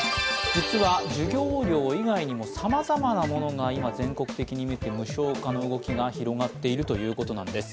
実は授業料以外にも、さまざまなものが今、全国的に見て無償化の動きが広がっているということなんです。